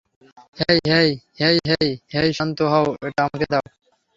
হেই, hey, hey, hey, hey শান্ত হও এটা আমাকে দাও।